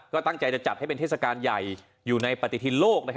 ก็ตั้งใจจะจัดให้เป็นเทศกาลใหญ่อยู่ในปฏิทินโลก